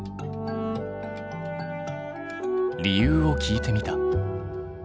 理由を聞いてみた。